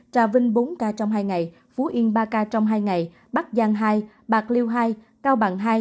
trà vinh bốn ca trong hai ngày phú yên ba ca trong hai ngày bắc giang hai bạc liêu hai cao bằng hai